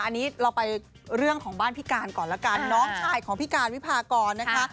อันนี้เราไปเรื่องของบ้านพี่การก่อนละกันน้องชายของพี่การวิพากรนะคะ